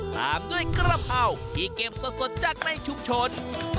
ตามด้วยกระเพราที่เก็บสดจากในชุมชน